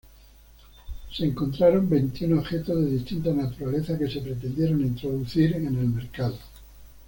Se encontraron veintiún objetos de distinta naturaleza, que se pretendieron introducir en el mercado.